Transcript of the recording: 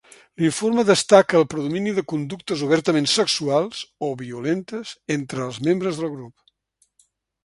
L'informe destaca el predomini de conductes obertament sexuals o violentes entre els membres del grup.